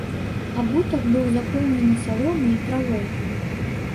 Абутак быў запоўнены саломай і травой.